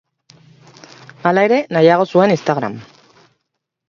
Hala ere, nahiago zuen Instagram.